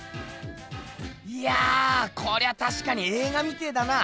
いやこりゃたしかにえい画みてぇだな。